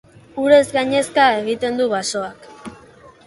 Urez gainezka egiten du basoak.